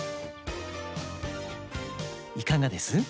いかがです？